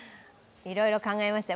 いろいろ考えましたよ